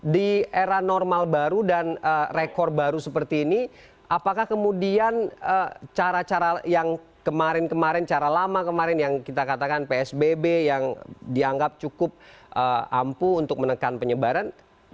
di era normal baru dan rekor baru seperti ini apakah kemudian cara cara yang kemarin kemarin cara lama kemarin yang kita katakan psbb yang dianggap cukup ampuh untuk menekan penyebaran